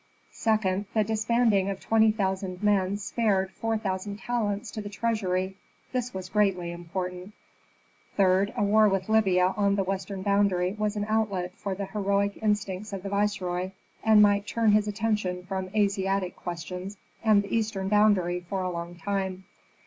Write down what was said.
Second, the disbanding of twenty thousand men spared four thousand talents to the treasury; this was greatly important. Third, a war with Libya on the western boundary was an outlet for the heroic instincts of the viceroy, and might turn his attention from Asiatic questions and the eastern boundary for a long time.